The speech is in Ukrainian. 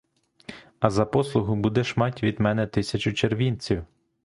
А за послугу будеш мать від мене тисячу червінців.